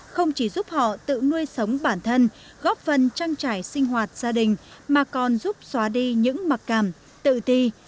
không chỉ giúp họ tự nuôi sống bản thân góp phần trang trải sinh hoạt gia đình mà còn giúp xóa đi những mặc cảm tự ti